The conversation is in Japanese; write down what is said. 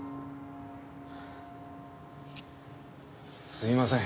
すいません。